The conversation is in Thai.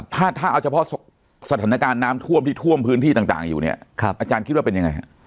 ถ้าเอาเฉพาะสถานการณ์น้ำท่วมที่ท่วมพื้นที่ต่างอยู่เนี่ยอาจารย์คิดว่าเป็นยังไงฮะ